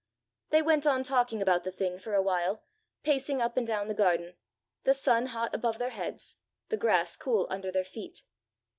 They went on talking about the thing for a while, pacing up and down the garden, the sun hot above their heads, the grass cool under their feet.